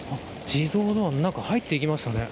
自動ドアの中に入っていきましたね。